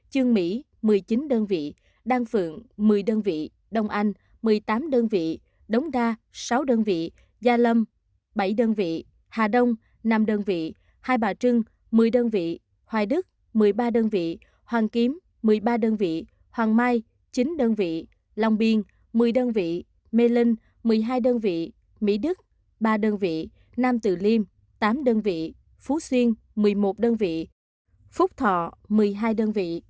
trường mỹ một mươi chín đơn vị đăng phượng một mươi đơn vị đồng anh một mươi tám đơn vị đống đa sáu đơn vị gia lâm bảy đơn vị hà đông năm đơn vị hai bà trưng một mươi đơn vị hoài đức một mươi ba đơn vị hoàng kiếm một mươi ba đơn vị hoàng mai chín đơn vị lòng biên một mươi đơn vị mê linh một mươi hai đơn vị mỹ đức ba đơn vị nam tử liêm tám đơn vị phú xuyên một mươi một đơn vị phúc thọ một mươi hai đơn vị